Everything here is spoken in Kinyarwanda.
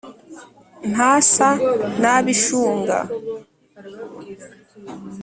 Ntasa n'abishunga